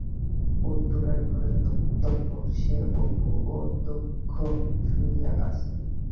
উত্তরের ঘরে তক্তাপোশে অপু ও দুর্গ শুইয়া আছে।